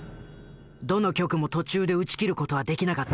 どの局も途中で打ち切る事はできなかった。